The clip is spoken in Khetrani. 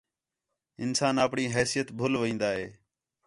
انسان اَپݨی حیثیت بُھل وین٘دا ہے